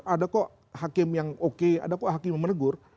ada kok hakim yang oke ada kok hakim yang menegur